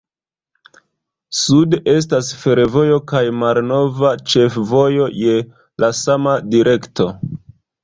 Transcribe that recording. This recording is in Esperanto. Sude estas fervojo kaj malnova ĉefvojo je la sama direkto.